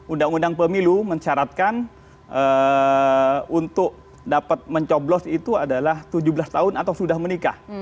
undang undang pemilu mencaratkan untuk dapat mencoblos itu adalah tujuh belas tahun atau sudah menikah